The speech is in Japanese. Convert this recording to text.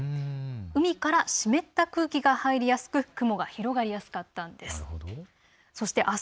海から湿った空気が入りやすく雲が広がりやすかったんです。